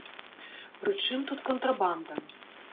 Пры чым тут кантрабанда?